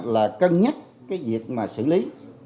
là cân nhất cái việc mà xử lý